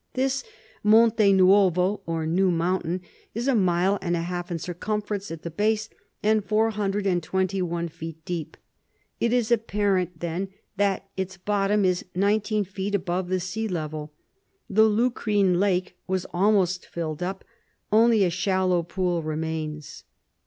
This "Monte Nuovo" or New Mountain, is a mile and a half in circumference at the base, and four hundred and twenty one feet deep. It is apparent, then, that its bottom is nineteen feet above the sea level. The Lucrine Lake was almost filled up. Only a shallow pool remains.